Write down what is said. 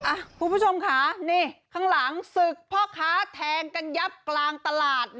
คุณผู้ชมค่ะนี่ข้างหลังศึกพ่อค้าแทงกันยับกลางตลาด